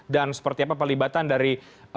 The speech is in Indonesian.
dan seperti apa pelibatan dari